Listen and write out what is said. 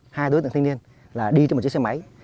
hai đối tượng thanh niên là đi theo một chiếc xe máy